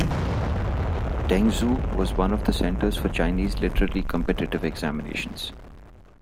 Tengzhou was one of the centers for Chinese literary competitive examinations.